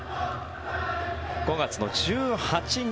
５月１８日